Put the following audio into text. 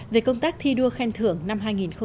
về công tác thi đua khen thưởng năm hai nghìn một mươi bảy